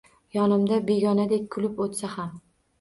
Yonimdan begonadek kulib utsa xam